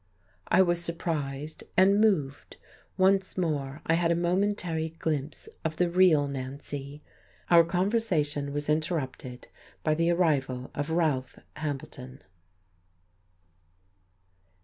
I was surprised and moved. Once more I had a momentary glimpse of the real Nancy.... Our conversation was interrupted by the arrival of Ralph Hambleton....